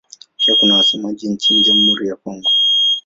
Pia kuna wasemaji nchini Jamhuri ya Kongo.